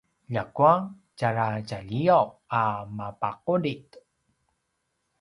ljakua tjara tjaliyav a mapaqulid